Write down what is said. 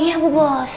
iya bu bos